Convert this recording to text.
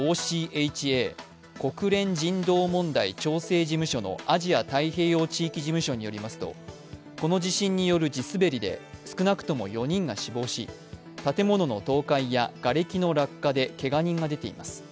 ＯＣＨＡ＝国連人道問題調整事務所のアジア太平洋地域事務所によりますとこの地震による地滑りで少なくとも４人が死亡し、建物の倒壊やがれきの落下でけが人が出ています。